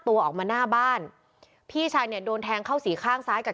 ตัวออกมาหน้าบ้านพี่ชายเนี่ยโดนแทงเข้าสี่ข้างซ้ายกับ